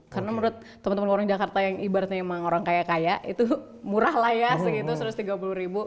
karena menurut teman teman orang jakarta yang ibaratnya memang orang kaya kaya itu murah lah ya segitu satu ratus tiga puluh ribu